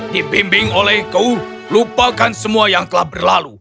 dibimbing olehku lupakan semua yang telah berlalu